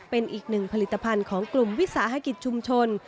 เป็นอีกหนึ่งผลิตภัณฑ์ของกลุ่มวิสาหกิจชุมชน